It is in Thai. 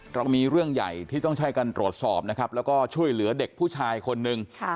เรามีเรื่องใหญ่ที่ต้องช่วยกันตรวจสอบนะครับแล้วก็ช่วยเหลือเด็กผู้ชายคนหนึ่ง